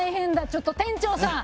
ちょっと店長さん！